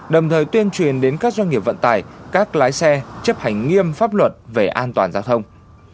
đồng thời tuyên truyền đến các doanh nghiệp vận tải các lái xe chấp hành nghiêm pháp luật về an toàn giao thông